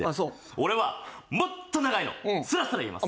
俺はもっと長いのスラスラ言えます。